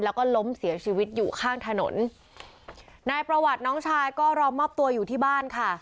แล้วก็ล้มเสียชีวิตอยู่ข้างถนนนายประวัติน้องชายก็รอมอบตัวอยู่ที่บ้านค่ะ